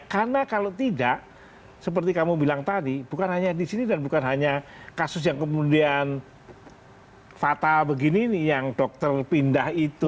karena kalau tidak seperti kamu bilang tadi bukan hanya di sini dan bukan hanya kasus yang kemudian fatal begini nih yang dokter pindah itu